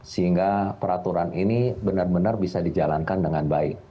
sehingga peraturan ini benar benar bisa dijalankan dengan baik